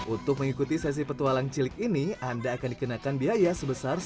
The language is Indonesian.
untuk mengikuti sesi petualang cilik ini anda akan dikenakan biaya sebesar rp satu ratus dua puluh lima